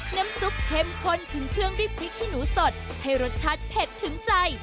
น้ำซุปเข้มข้นถึงเครื่องด้วยพริกขี้หนูสดให้รสชาติเผ็ดถึงใจ